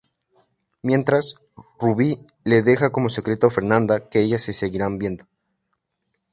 Mientras, Rubí le deja como secreto a Fernanda que ellas se seguirán viendo.